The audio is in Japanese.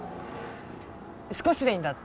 少しでいいんだ。